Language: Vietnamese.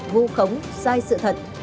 vô khống sai sự thật